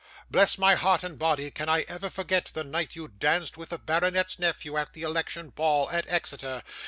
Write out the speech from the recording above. Bless my heart and body, can I ever forget the night you danced with the baronet's nephew at the election ball, at Exeter!